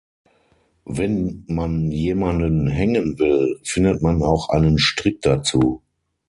Wenn man jemanden hängen will, findet man auch einen Strick dazu.